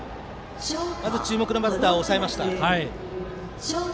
まず注目のバッターを抑えました。